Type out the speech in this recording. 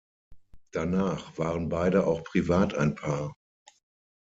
Danach waren beide auch privat ein Paar.